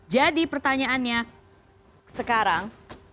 jadi pertanyaannya sekarang